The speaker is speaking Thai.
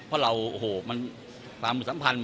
เพราะเราความสัมพันธ์